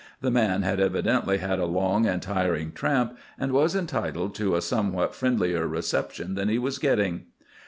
The man had evidently had a long and tiring tramp, and was entitled to a somewhat friendlier reception than he was getting.